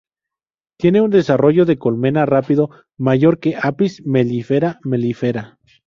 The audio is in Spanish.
Tiene un desarrollo de colmena rápido, mayor que "Apis mellifera mellifera".